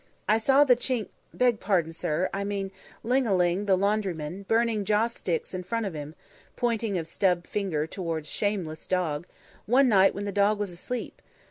I saw the Chink beg pardon, sir, I mean Ling a Ling the laundryman, burning joss sticks in front of 'im," pointing of stub finger towards shameless dog "one night when the dawg was asleep.